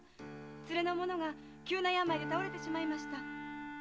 連れの者が急な病で倒れてしまいました。